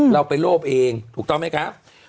เราไปโลภเองถูกต้องไหมครับ